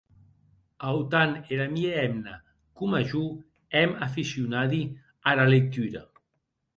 Autant era mia hemna coma jo èm aficionadi ara lectura.